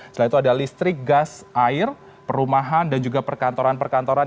setelah itu ada listrik gas air perumahan dan juga perkantoran perkantoran